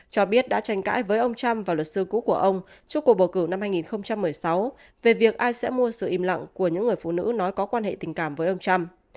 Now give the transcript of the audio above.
cho biết đã tranh cãi với ông trump và luật sư cũ của ông trước cuộc bầu cử năm hai nghìn một mươi sáu về việc ai sẽ mua sự im lặng của những người phụ nữ nói có quan hệ tình cảm với ông trump